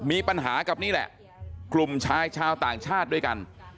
มีปัญหากับนี่แหละกลุ่มชายชาวต่างชาติด้วยกัน